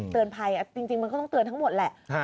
เตือนภัยจริงมันก็ต้องเตือนทั้งหมดแหละ